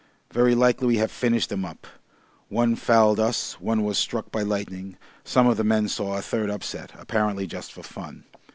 Very likely we have finished 'em up. One fouled us, one was struck by lightning, some of the men saw a third upset, apparently just for fun.